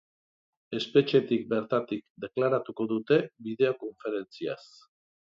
Espetxetik bertatik deklaratuko dute, bideokonferentziaz.